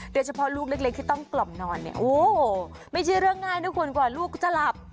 เฉพาะลูกเล็กที่ต้องกล่อมนอนเนี่ยโอ้ไม่ใช่เรื่องง่ายนะคุณกว่าลูกจะหลับ